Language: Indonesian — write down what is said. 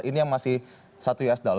ini yang masih satu usd